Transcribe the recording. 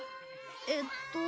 えっと。